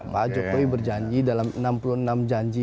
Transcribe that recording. pak jokowi berjanji dalam enam puluh enam janji